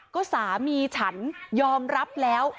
ก็สามีฉันยอมรับแล้ว